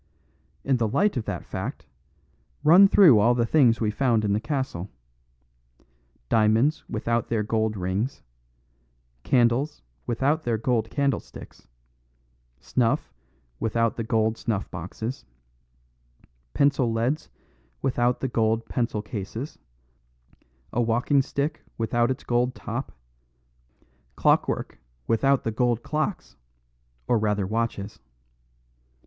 In the light of that fact, run through all the things we found in the castle. Diamonds without their gold rings; candles without their gold candlesticks; snuff without the gold snuff boxes; pencil leads without the gold pencil cases; a walking stick without its gold top; clockwork without the gold clocks or rather watches.